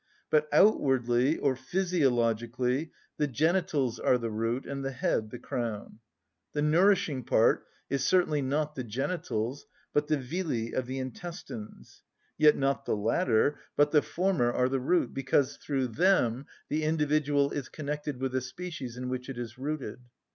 But outwardly or physiologically the genitals are the root and the head the crown. The nourishing part is certainly not the genitals, but the villi of the intestines: yet not the latter but the former are the root; because through them the individual is connected with the species in which it is rooted.